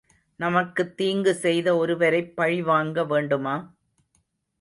நமக்குத் தீங்கு செய்த ஒருவரைப் பழிவாங்க வேண்டுமா?